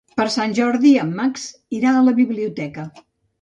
Per Sant Jordi en Max irà a la biblioteca.